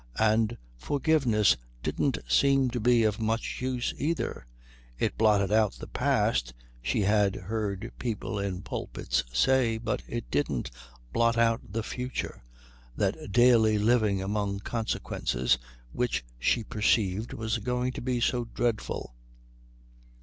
And forgiveness didn't seem to be of much use, either. It blotted out the past, she had heard people in pulpits say, but it didn't blot out the future, that daily living among consequences which she perceived was going to be so dreadful.